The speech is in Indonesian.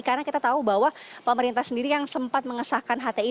karena kita tahu bahwa pemerintah sendiri yang sempat mengesahkan hti